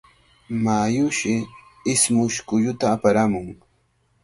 Mayushi ismush kulluta aparamun.